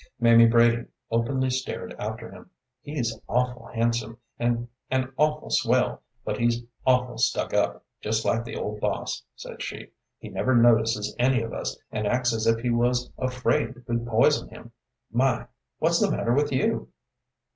Mamie Brady openly stared after him. "He's awful handsome, and an awful swell, but he's awful stuck up, just like the old boss," said she. "He never notices any of us, and acts as if he was afraid we'd poison him. My, what's the matter with you?"